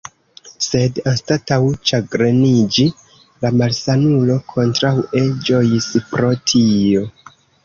Sed anstataŭ ĉagreniĝi, la malsanulo kontraŭe ĝojis pro tio.